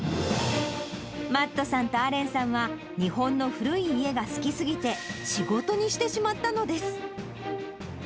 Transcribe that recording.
マットさんとアレンさんは、日本の古い家が好きすぎて、仕事にしてしまったのです。